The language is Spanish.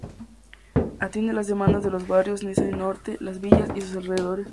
Atiende la demanda de los barrios Niza Norte, Las Villas y sus alrededores.